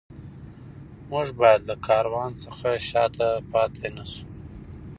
موږ باید له کاروان څخه شاته پاتې نه شو.